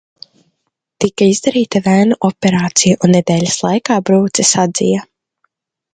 Tika izdarīta vēnu operācija, un nedēļas laikā brūce sadzija.